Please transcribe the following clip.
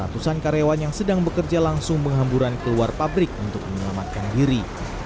ratusan karyawan yang sedang bekerja langsung menghamburan keluar pabrik untuk menyelamatkan diri